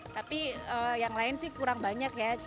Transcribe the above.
tapi yang lain sih kurang banyak ya